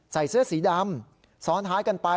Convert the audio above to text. ใส่เสื้อสีดำซ้อนท้ายกันไป